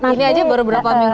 ini aja baru berapa minggu